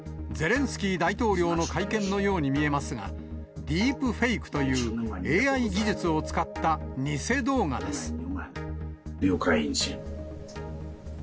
ゼレンスキー大統領の会見のように見えますが、ディープフェイクという、ＡＩ技術を使った偽動画です。